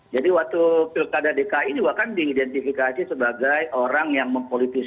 jadi waktu pilkada dki ini bahkan diidentifikasi sebagai orang yang mempolitikasi